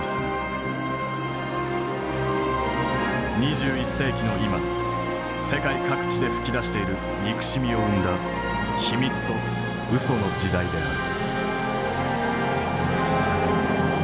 ２１世紀の今世界各地で噴き出している憎しみを生んだ秘密と嘘の時代である。